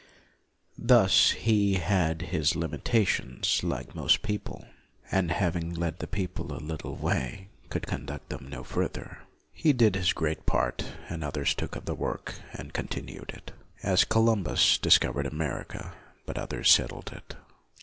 Thus he had his limitations, like most people, and having led the people a little way could conduct them no further. He did his great part, and others took up the work and continued it; as Columbus dis covered America, but others settled it.